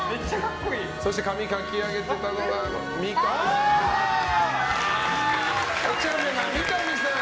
そして髪をかき上げていたのが三上さん。